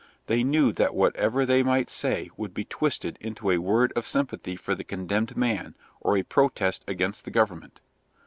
They knew that whatever they might say would be twisted into a word of sympathy for the condemned man or a protest against the government.